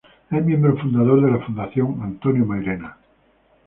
Es miembro fundador de la Fundación Antonio Mairena.